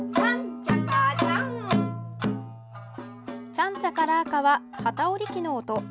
「チャンチャカラーカ」は機織り機の音。